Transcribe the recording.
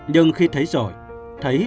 nhưng khi thấy rồi thấy buồn lắm